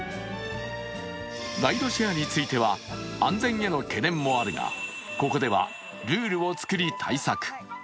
ライドシェアについては安全への懸念もあるがここではルールを作り対策。